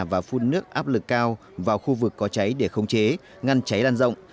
và phun nước áp lực cao vào khu vực có cháy để không chế ngăn cháy đan rộng